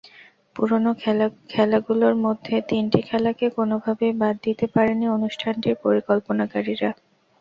পুরোনো খেলাগুলোর মধ্যে তিনটি খেলাকে কোনোভাবেই বাদ দিতে পারেননি অনুষ্ঠানটির পরিকল্পনাকারীরা।